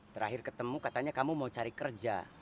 terakhir ketemu katanya kamu mau cari kerja